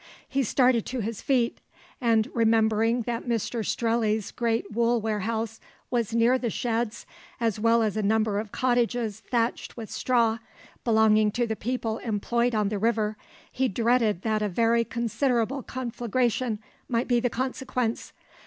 He started to his feet, and remembering that Mr Strelley's great wool warehouse was near the sheds, as well as a number of cottages thatched with straw, belonging to the people employed on the river, he dreaded that a very considerable conflagration might be the consequence.